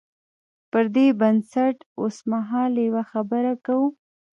پر دې بنسټ اوسمهال یوه خبره کوو.